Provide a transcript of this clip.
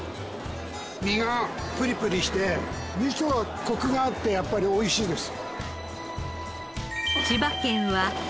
身がプリプリしてミソがコクがあってやっぱりおいしいです。